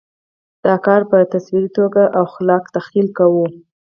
دا کار په تصوري توګه او خلاق تخیل کوو.